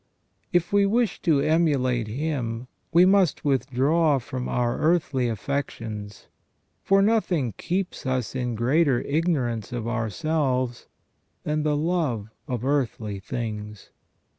If we wish to emulate him we must withdraw from our earthly affections, for nothing keeps us in greater ignorance of ourselves than the love of earthly things.